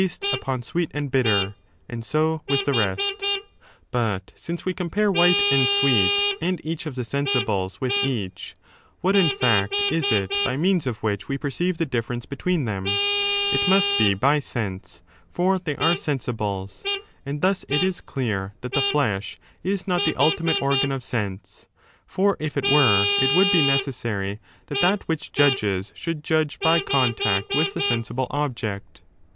E (Trend. Bus.), ἀριθμῷ ἀδιαί CH. 2 426 Ὁ 13—427a 5 [10 But, since we compare white and sweet and each of the sensibles Compari With each, what in fact is it by means of which we seo rewue perceive the difference between them? It must be by sensibles. sense, for they are sensibles. And thus it is clear that 11 the flesh is not the ultimate organ of sense; for, if it were, it would be necessary that that which judges should judge by contact with the sensible object.